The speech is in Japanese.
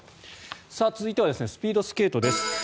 続いてはスピードスケートです。